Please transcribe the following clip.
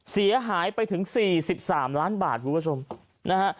เสียหายไปถึงสี่สิบสามล้านบาทคุณผู้ชมนะฮะ